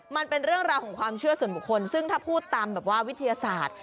มันเป็นเรื่องราวของความเชื่อส่วนบุคคลซึ่งถ้าพูดตามแบบว่าวิทยาศาสตร์